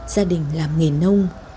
gia đình làm nghề nông